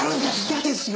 嫌ですよ